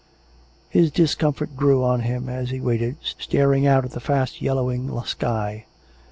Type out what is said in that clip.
His discomfort grew on him as he waited, staring out at the fast yellowing sky.